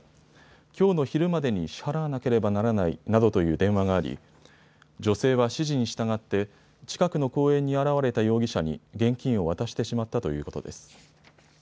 きょうの昼までに支払わなければならないなどという電話があり女性は指示に従って近くの公園に現れた容疑者に現金を渡してしまったということです。